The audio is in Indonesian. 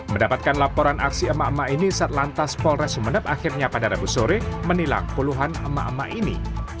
mendapatkan laporan aksi emak emak ini saat lantas polres sumeneb akhirnya pada rabu sore menilang puluhan emak emak ini